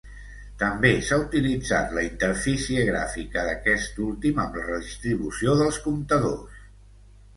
També s'ha utilitzat la interfície gràfica d'aquest últim amb la redistribució dels comptadors.